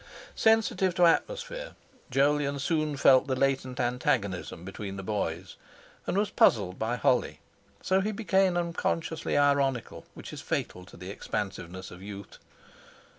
Sensitive to atmosphere, Jolyon soon felt the latent antagonism between the boys, and was puzzled by Holly; so he became unconsciously ironical, which is fatal to the expansiveness of youth.